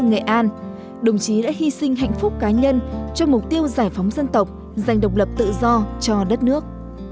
trong khởi nghĩa nam kỳ đồng chí đã hy sinh hạnh phúc cá nhân cho mục tiêu giải phóng dân tộc dành độc lập tự do cho đất nước